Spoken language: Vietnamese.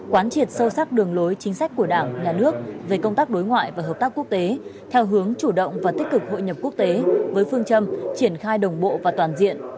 quán triệt sâu sắc đường lối chính sách của đảng nhà nước về công tác đối ngoại và hợp tác quốc tế theo hướng chủ động và tích cực hội nhập quốc tế với phương châm triển khai đồng bộ và toàn diện